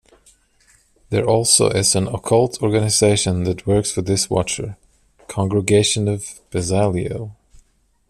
There also is an occult organization that works for this Watcher: Congregation of Bezaliel.